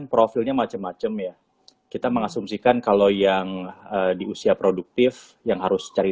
profilnya macem macem ya kita mengasumsikan kalau yang di usia produktif yang harus cari